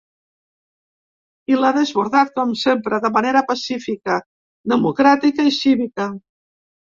I l’ha desbordat com sempre, de manera pacífica, democràtica i cívica.